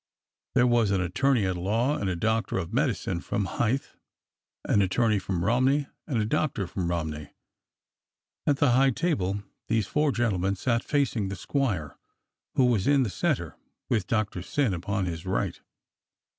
There was an attorney at law and a doctor of medicine from Hythe, an attorney from Romney and a doctor from Romney. At the high table these four gentlemen sat facing the squire, who was in the centre, with Doctor Syn upon his right.